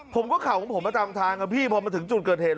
ผมก็ขับของผมมาตามทางครับพี่พอมาถึงจุดเกิดเหตุ